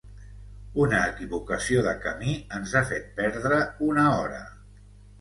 Una equivocació de camí ens ha fet perdre una hora.